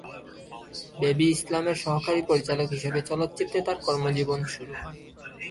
Baby ইসলামের সহকারী পরিচালক হিসেবে চলচ্চিত্রে তার কর্ম জীবন শুরু হয়।